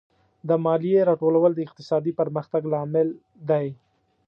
د مالیې راټولول د اقتصادي پرمختګ لامل دی.